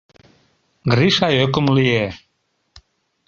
— Гриша ӧкым лие.